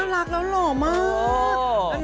รักแล้วหล่อมาก